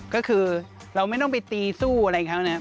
ก็คือเราไม่ต้องไปตีสู้อะไรเขานะครับ